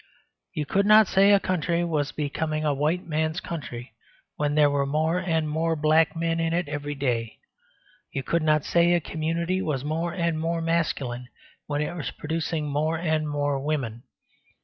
You could not say a country was becoming a white man's country when there were more and more black men in it every day. You could not say a community was more and more masculine when it was producing more and more women.